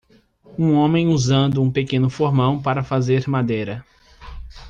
Um homem usando um pequeno formão para fazer madeira.